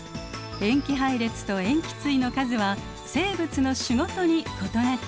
塩基配列と塩基対の数は生物の種ごとに異なっています。